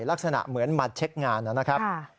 ลักษณะเหมือนมาเช็คงานนะครับ